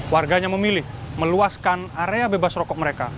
warganya memilih meluaskan area bebas rokok mereka